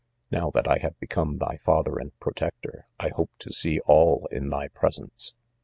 Now, that I have be come thy father and protector, I hope to see all in thy presence.